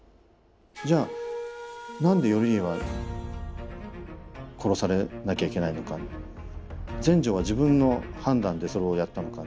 じゃあ何で頼家は殺されなきゃいけないのか全成は自分の判断でそれをやったのか。